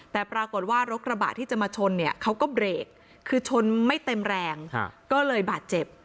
แต่ปรากฏว่ารถกระบะที่จะมาชนเนี่ยเขาก็เบรกคือชนไม่เต็มแรงก็เลยบาดเจ็บ